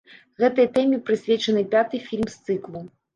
Гэтай тэме прысвечаны пяты фільм з цыклу.